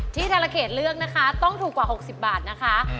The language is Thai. ธรเขตเลือกนะคะต้องถูกกว่า๖๐บาทนะคะ